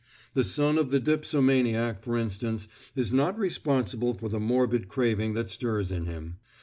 The son of the dipsomaniac, for instance, is not responsible for the morbid craving that stirs in him.